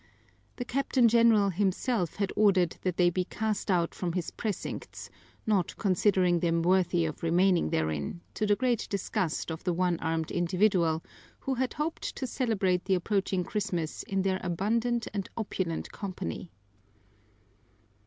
The Captain General himself had ordered that they be cast out from his precincts, not considering them worthy of remaining therein, to the great disgust of the one armed individual, who had hoped to celebrate the approaching Christmas in their abundant and opulent company.